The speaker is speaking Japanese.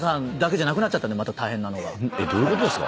どういうことですか？